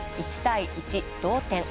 １対１、同点。